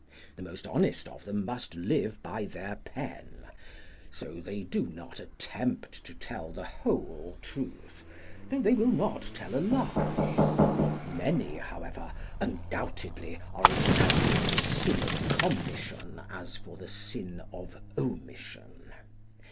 The most honest of them must live by their pen, so they do not attempt to tell the whole truth though they will not tell a lie; many, however, undoubtedly are as apt for the sin of commission as for the sin of omission.